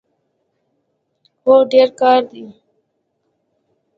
هو، ډیر کار دی